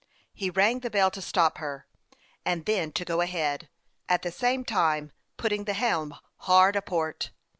He rang the bell to stop her, and then to go ahead, at the same time putting the helm hard a port.